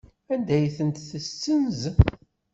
Anda ay tent-tessenz?